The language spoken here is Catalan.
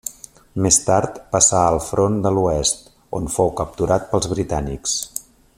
Més tard passà al front de l'oest, on fou capturat pels britànics.